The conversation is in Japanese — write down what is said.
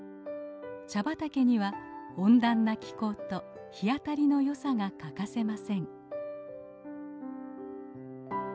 茶畑には温暖な気候と日当たりの良さが欠かせません。